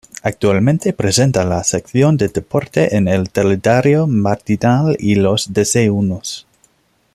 Actualmente presenta la sección de deportes, en el Telediario Matinal y Los Desayunos.